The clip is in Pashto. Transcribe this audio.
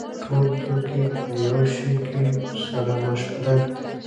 ټول توکي په یوه شي کې سره مشترک دي